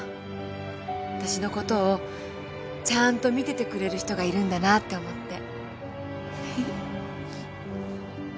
わたしのことをちゃんと見ててくれる人がいるんだなって思って。